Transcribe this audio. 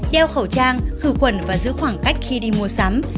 đeo khẩu trang khử khuẩn và giữ khoảng cách khi đi mua sắm